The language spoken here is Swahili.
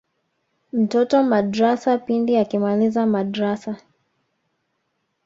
mtoto madrasa pindi akimaliza madrasa